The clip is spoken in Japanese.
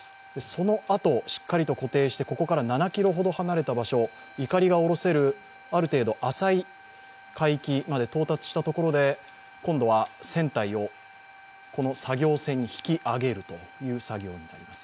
そのあとしっかりと固定してここから７ｋｍほど離れた場所、いかりが下ろせるある程度、浅い海域まで到達したところで今度は船体をこの作業船に引き揚げるという作業になります。